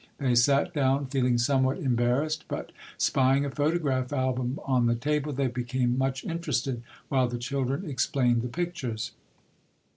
They sat down feeling somewhat embarrassed, but spying a photograph album on the table, they became much interested, while the children explained the pictures.